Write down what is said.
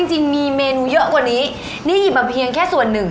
จริงมีเมนูเยอะกว่านี้นี่หยิบมาเพียงแค่ส่วนหนึ่ง